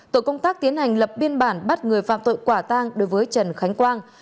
tổ công tác tiến hành lập biên bản bắt người phạm tội quả tang đối với trần khánh quang